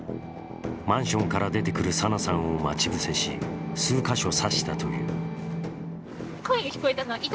マンションから出てくる紗菜さんを待ち伏せし、数か所刺したという。